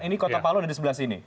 ini kota palu ada di sebelah sini